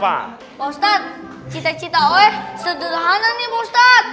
pak ustadz cita cita saya sederhana nih pak ustadz